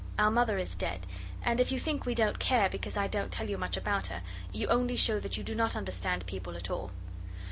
Our Mother is dead, and if you think we don't care because I don't tell you much about her you only show that you do not understand people at all.